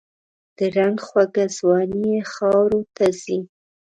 د رنګ خوږه ځواني یې خاوروته ځي